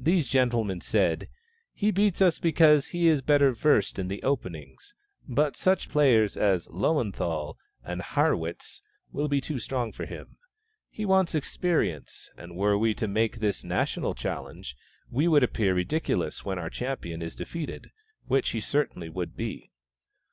These gentlemen said, "He beats us because he is better versed in the openings, but such players as Löwenthal and Harrwitz will be too strong for him. He wants experience, and were we to make this national challenge, we should appear ridiculous when our champion is defeated, which he certainly would be."